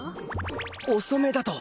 遅めだと